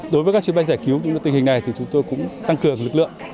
đối với các chuyến bay giải cứu tình hình này thì chúng tôi cũng tăng cường lực lượng